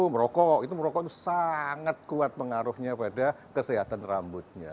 merokok itu merokok sangat kuat pengaruhnya pada kesehatan rambutnya